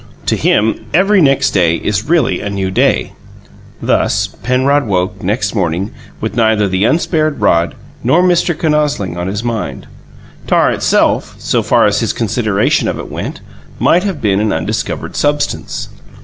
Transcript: To him, every next day is really a new day. Thus, Penrod woke, next morning, with neither the unspared rod, nor Mr. Kinosling in his mind. Tar, itself, so far as his consideration of it went, might have been an undiscovered substance.